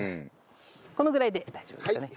このぐらいで大丈夫ですかね。